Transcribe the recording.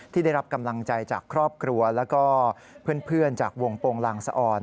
ที่ได้รับกำลังใจจากครอบครัวแล้วก็เพื่อนจากวงโปรงลางสะอ่อน